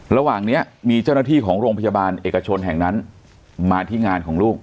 ระหว่างนี้มีเจ้าหน้าที่ของโรงพยาบาลเอกชนแห่งนั้นมาที่งานของลูก